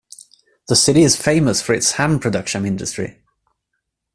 The city is famous for its ham production industry.